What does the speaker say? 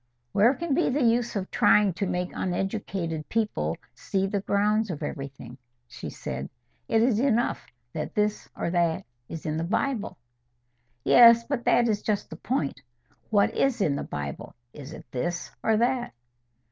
"Where can be the use of trying to make uneducated people see the grounds of everything?" she said. "It is enough that this or that is in the Bible." "Yes; but there is just the point. What is in the Bible? Is it this or that?"